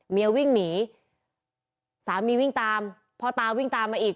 วิ่งหนีสามีวิ่งตามพ่อตาวิ่งตามมาอีก